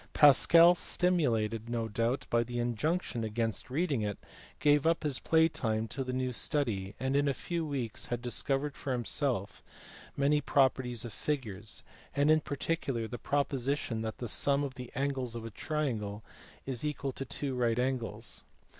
Pascal, stimulated no doubt by the injunction against reading it, gave up his play time to this new study, and in a few weeks had discovered for himself many properties of figures, and in particular the proposition that the sum of the angles of a triangle is equal to two right angles.